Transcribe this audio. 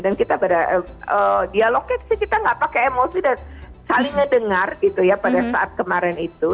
dan kita berdialognya sih kita gak pakai emosi dan salingnya dengar gitu ya pada saat kemarin itu